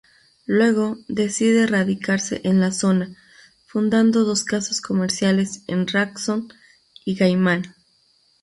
Luego, decide radicarse en la zona, fundando dos casas comerciales en Rawson y Gaiman.